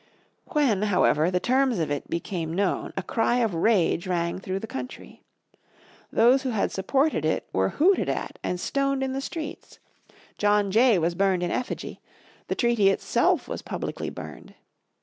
When, however, the terms of it became known a cry of rage rang through the country. Those who had supported it were hooted at and stoned in the streets, John Jay was burned in effigy, the treaty itself was publicly burned.